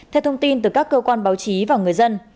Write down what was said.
theo thông tin từ các cơ quan báo chí và người dân